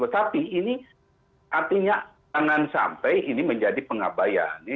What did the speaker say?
tapi ini artinya tangan sampai ini menjadi pengabaya